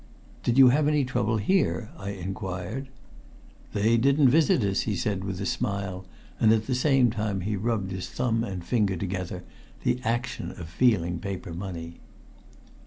"Did you have any trouble here?" I inquired. "They didn't visit us," he said with a smile, and at the same time he rubbed his thumb and finger together, the action of feeling paper money.